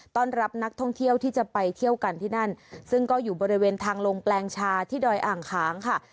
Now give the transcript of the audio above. ต้อนรับนักท่องเที่ยวที่จะไปเที่ยวกันที่นั่นซึ่งก็อยู่บริเวณทางลงแปลงชาที่ดอยอ่างขางค่ะ